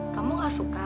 kamu tidak suka